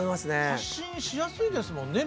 発信しやすいですもんね。